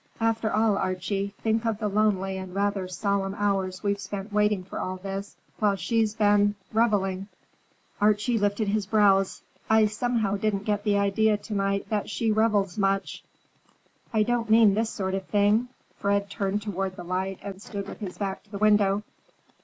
After all, Archie, think of the lonely and rather solemn hours we've spent waiting for all this, while she's been—reveling." Archie lifted his brows. "I somehow didn't get the idea to night that she revels much." "I don't mean this sort of thing." Fred turned toward the light and stood with his back to the window.